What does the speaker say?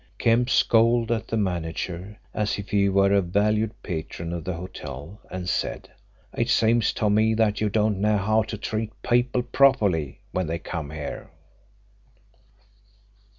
Kemp scowled at the manager as if he were a valued patron of the hotel and said, "It seems to me that you don't know how to treat people properly when they come here."